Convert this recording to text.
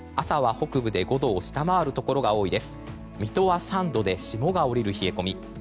朝は北部で５度を下回るところが多く水戸は３度で霜が降りる冷え込み。